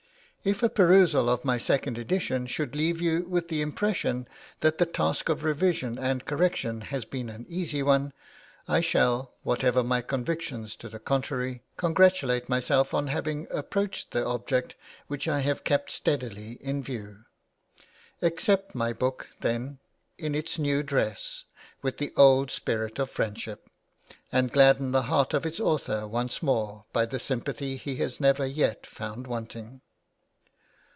If a perusal of my second edition should leave you with the impression that the task of revision and correction has been an easy one, I shall, whatever my convictions to the contrary, congratulate myself on having approached the object which I have kept steadily in view. Accept my book, then, in its new dress, with the old spirit of friendship, and gladden the heart of its author once more by the sympathy he has never yet found wanting.